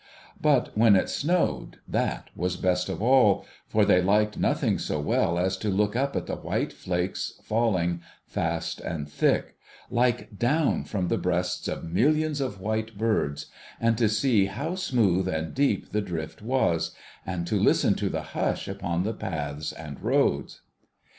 But, when it snowed, that was best of all ; for, they liked nothing so well as to look up at the white flakes falling fast and thick, like down from the breasts of millions of white birds ; and to see how smooth and deep the drift was ; and to listen to the hush upon the paths and roads.